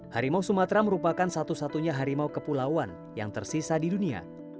harimau sumatera merupakan satu satunya harimau kepulauan yang tersisa di dunia